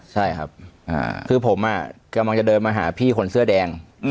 ใช่ครับคือผมกำลังจะเดินมาหาพี่คนเสื้อแดง